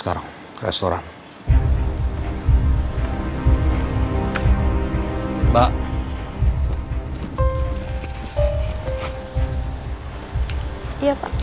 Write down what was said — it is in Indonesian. aku harus nurut